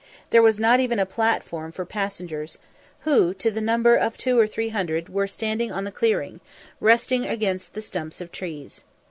There was not even a platform for passengers, who, to the number of two or three hundred, were standing on the clearing, resting against the stumps of trees.